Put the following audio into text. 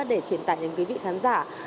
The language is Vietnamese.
để truyền tải đến các phóng viên